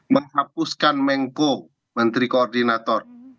menghapuskan mengko menteri koordinator